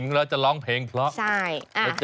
ไซส์ลำไย